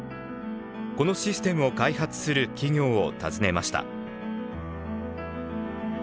このシステムを開発する企業を訪ねました。